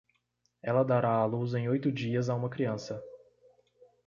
Ela dará a luz em oito dias a uma criança